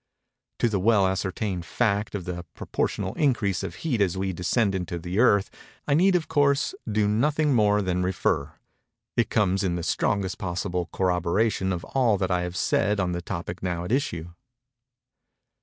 —To the well ascertained fact of the proportional increase of heat as we descend into the Earth, I need of course, do nothing more than refer:—it comes in the strongest possible corroboration of all that I have said on the topic now at issue.